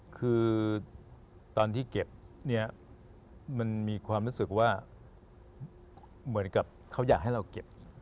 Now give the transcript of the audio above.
คือตอนที่เก็บเนี่ยมันมีความรู้สึกว่าเหมือนกับเขาอยากให้เราเก็บ